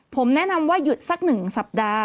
ผมแนะนำว่าหยุดสัก๑สัปดาห์